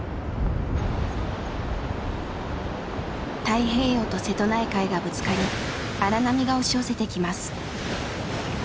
太平洋と瀬戸内海がぶつかり荒波が押し寄せてきます。